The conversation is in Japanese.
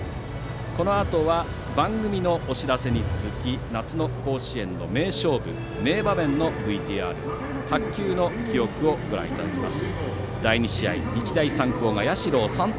このあとは番組のお知らせに続き夏の甲子園の名勝負、名場面のＶＴＲ白球の記憶をご覧いただきます。